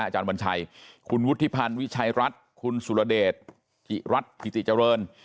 อาจารย์วัญชัยคุณวุฒิพันธ์วิชัยรัฐคุณสุรเดชจิรัฐธิติเจริญ